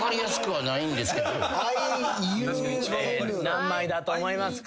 何枚だと思いますか？